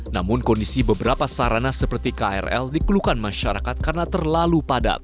namun kondisi beberapa sarana seperti krl dikeluhkan masyarakat karena terlalu padat